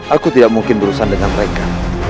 aku tidak mungkin berurusan dengan mereka